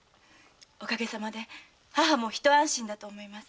おかげさまで母も一安心だと思います。